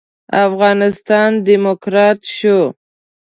افغانستان ډيموکرات شو.